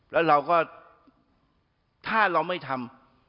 แล้วเราก็ถ้าเราไม่ทำ